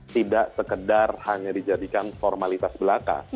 tidak sekedar hanya dijadikan formalitas belaka